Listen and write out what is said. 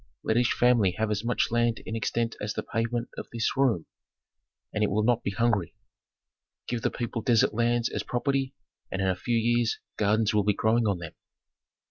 Let each family have as much land in extent as the pavement of this room, and it will not be hungry. Give the people desert sands as property, and in a few years gardens will be growing on them."